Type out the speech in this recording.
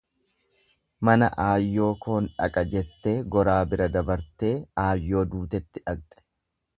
Mana aayyoo koon dhaqa jettee goraa bira dabartee aayyoo duutetti dhaqxe.